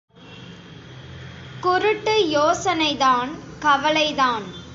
குருட்டு யோசனைதான் கவலைதான்.